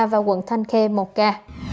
và quận thanh khê một ca